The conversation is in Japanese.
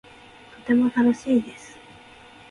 とても楽しいです